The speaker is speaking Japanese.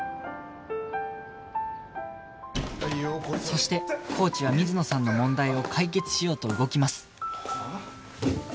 そしてコーチは水野さんの問題を解決しようと動きます